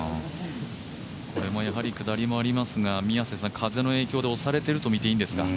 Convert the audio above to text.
これもやはり下りもありますが風の影響で押されていると見ていいんですか？